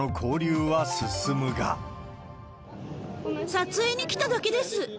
撮影に来ただけです。